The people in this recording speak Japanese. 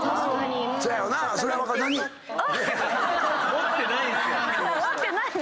持ってないです。